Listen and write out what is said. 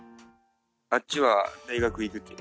あっちは大学行くって。